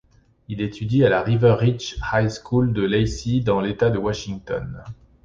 Il étudie à la 'River Ridge High School' de Lacey dans l'état de Washington.